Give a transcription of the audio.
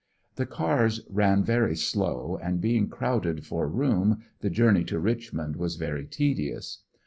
The cars ran very slow, and being crowded for room the journey to Kichmond was very tedious.